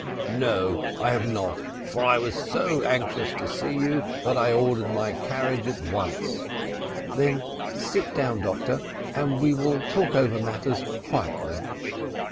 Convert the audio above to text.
"No, I have not; for I was so anxious to see you, that I ordered my carriage at once." "Then sit down, doctor, and we will talk over matters quietly."